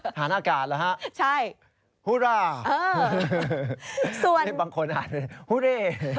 สถานอากาศเหรอครับฮุล่าบางคนอ่านเป็นฮุเร่